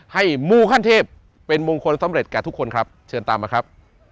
มูขั้นเทพเป็นมงคลสำเร็จแก่ทุกคนครับเชิญตามมาครับ